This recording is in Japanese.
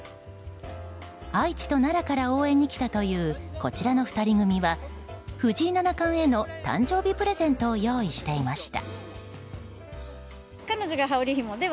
愛知と奈良から応援に来たというこちらの２人組は藤井七冠への誕生日プレゼントを用意していました。